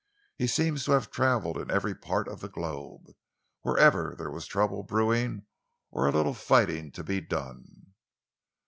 He seems to have travelled in every part of the globe, wherever there was trouble brewing or a little fighting to be done."